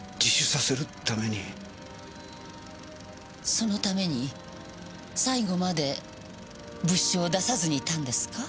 そのために最後まで物証を出さずにいたんですか？